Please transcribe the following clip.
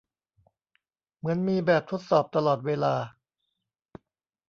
เหมือนมีแบบทดสอบตลอดเวลา